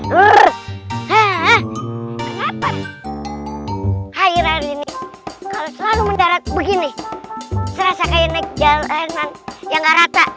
hai hai hari ini kalau selalu mendarat begini serasa kayak naik jalan yang rata